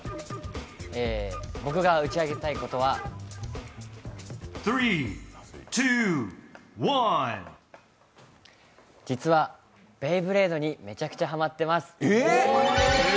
僕が打ち明けたいことは実は、ベイブレードにめちゃくちゃハマってます。